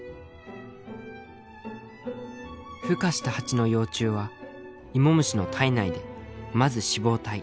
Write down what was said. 孵化したハチの幼虫はイモムシの体内でまず脂肪体